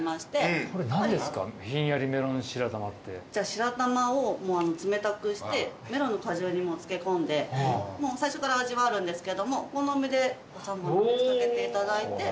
白玉を冷たくしてメロンの果汁に漬け込んで最初から味はあるんですけどもお好みで和三盆の蜜掛けていただいてあんこも一緒に。